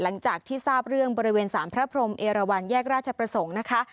หลังจากที่ทราบเรื่องบริเวณสารพระพรมเอราวันแยกราชประสงค์นะคะ